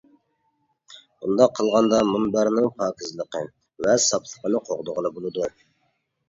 بۇنداق قىلغاندا مۇنبەرنىڭ پاكىزلىقى ۋە ساپلىقىنى قوغدىغىلى بولىدۇ.